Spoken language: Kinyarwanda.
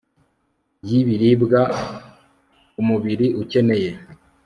yi biribwa umubiri ukeneye